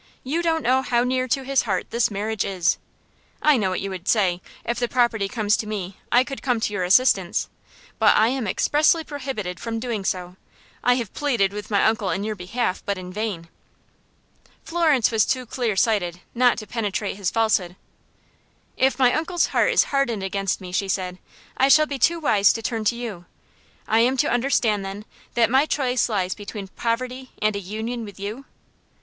"You don't know how near to his heart this marriage is. I know what you would say: If the property comes to me I could come to your assistance, but I am expressly prohibited from doing so. I have pleaded with my uncle in your behalf, but in vain." Florence was too clear sighted not to penetrate his falsehood. "If my uncle's heart is hardened against me," she said, "I shall be too wise to turn to you. I am to understand, then, that my choice lies between poverty and a union with you?"